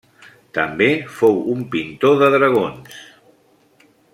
També fou un pintor de dragons.